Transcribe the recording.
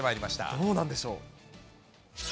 どうなんでしょう。